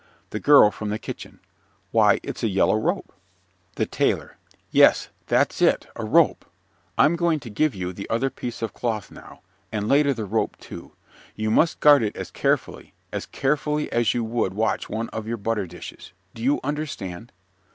_) THE GIRL FROM THE KITCHEN Why, it's a yellow rope. THE TAILOR Yes, that's it, a rope. I'm going to give you the other piece of cloth now, and later the rope, too. You must guard it as carefully, as carefully as you would watch one of your butter dishes. Do you understand?